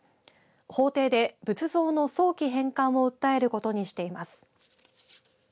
法廷で仏像の早期返還を訴えることにしています。